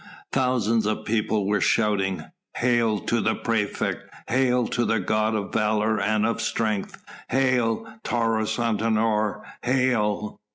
Thousands of people were shouting: "Hail to the praefect! Hail to the god of valour and of strength! Hail! Taurus Antinor, hail!"